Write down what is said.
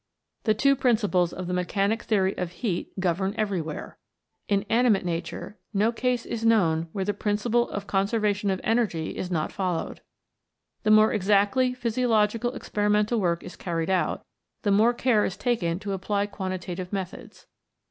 The two principles of the mechanic theory of heat govern everywhere. In animate Nature no case is known where the principle of Conservation of Energy is not followed. The more exactly physio logical experimental work is carried out, the more care is taken to apply quantitative methods.